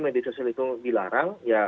media sosial itu dilarang ya